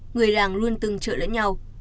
người làng luôn từng trợ lẫn nhau